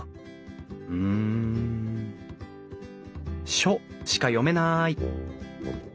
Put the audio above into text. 「書」しか読めない。